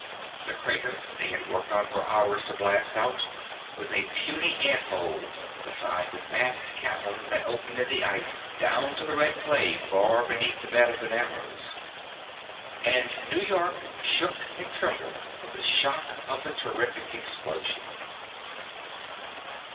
The crater they had worked for hours to blast out was as a puny ant hole beside the vast chasm that opened in the ice down to the red clay far beneath the bed of the Narrows. And New York shook and trembled from the shock of the terrific explosion.